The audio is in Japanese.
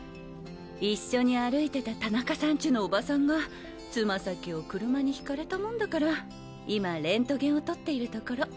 一緒に歩いてた田中さんちのオバさんがつま先を車に轢かれたもんだから今レントゲンを撮っているところ。